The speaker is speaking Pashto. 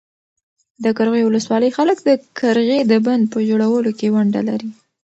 د قرغیو ولسوالۍ خلک د قرغې د بند په جوړولو کې ونډه لري.